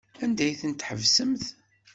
Anda ay ten-tḥebsemt?